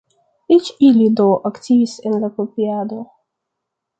Eĉ ili, do, aktivis en la kopiado.